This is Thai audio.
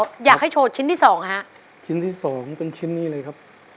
ก็อยากให้โชว์ชิ้นที่สองฮะชิ้นที่สองเป็นชิ้นนี้เลยครับ